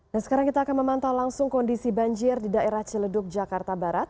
nah sekarang kita akan memantau langsung kondisi banjir di daerah ciledug jakarta barat